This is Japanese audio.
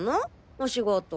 お仕事。